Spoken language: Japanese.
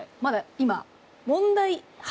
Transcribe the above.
今。